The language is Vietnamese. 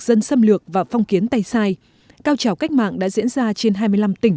dân xâm lược và phong kiến tay sai cao trào cách mạng đã diễn ra trên hai mươi năm tỉnh